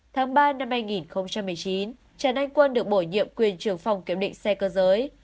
tháng ba năm hai nghìn một mươi chín trần anh quân được bổ nhiệm quyền trường phòng kiểm định xe cơ giới